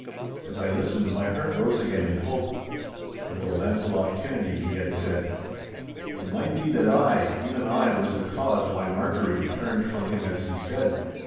As I listened my heart rose again in hope. 'Your Launcelot Kennedy,' he had said. It might be that I, even I, was the cause why Marjorie turned from him as he said.